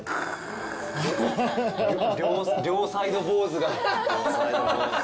両サイド坊主が。